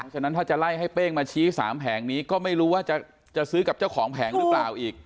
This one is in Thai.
ฉะนั้นถ้าจะไล่ให้เป้งมาชี้๓แผงนี้ก็ไม่รู้ว่าจะซื้อกับเจ้าของแผงหรือเปล่าอีก